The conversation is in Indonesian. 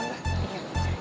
terima kasih ya tanda